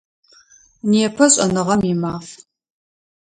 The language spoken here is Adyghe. Непэ Шӏэныгъэм и Маф.